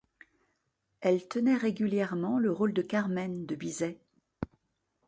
Elle tenait régulièrement le rôle de Carmen de Bizet.